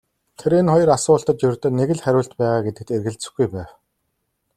Тэр энэ хоёр асуултад ердөө нэг л хариулт байгаа гэдэгт эргэлзэхгүй байв.